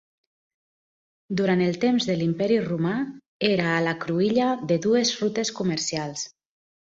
Durant el temps de l'Imperi Romà, era a la cruïlla de dues rutes comercials.